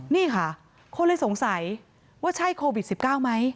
นี่ค่ะคนเลยสงสัยว่าใช่โควิด๑๙ไหม